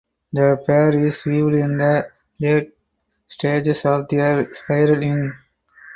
The pair is viewed in the late stages of their spiral in.